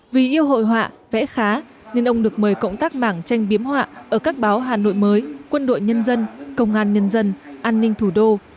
vì yêu hội họa vẽ khá nên ông được mời cộng tác mảng tranh biếm họa ở các báo hà nội mới quân đội nhân dân công an nhân dân an ninh thủ đô